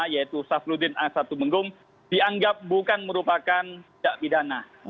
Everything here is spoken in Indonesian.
yaitu safluddin a satu menggum dianggap bukan merupakan tindak pidana